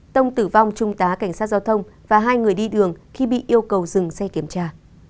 tông tử vong trung tá cảnh sát giao thông và hai người đi đường khi bị yêu cầu dừng xe kiểm tra